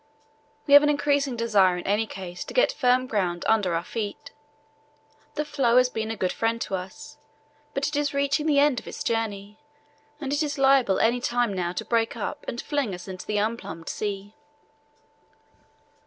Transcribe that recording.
We have an increasing desire in any case to get firm ground under our feet. The floe has been a good friend to us, but it is reaching the end of its journey, and it is liable at any time now to break up and fling us into the unplumbed sea."